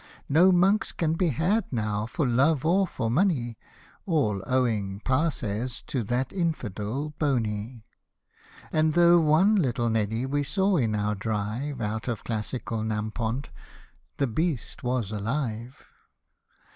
No monks can be had now for love or for money, (All owing, Pa says, to that infidel BONEY ;) And, though one little Neddy we saw in our drive Out of classical Nampont, the beast was ahve